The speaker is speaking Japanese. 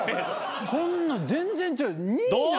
そんな全然違う。